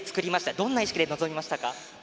どんな意識で臨みましたか？